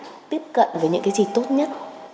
hãy tiếp cận với những cái gì tốt nhất